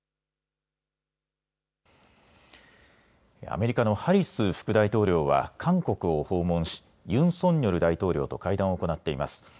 アメリカのハリス副大統領は韓国を訪問しユン・ソンニョル大統領と会談を行っています。